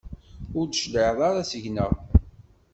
Ur d-tecliɛeḍ ara seg-neɣ.